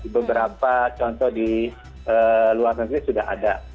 beberapa contoh di luar negeri sudah ada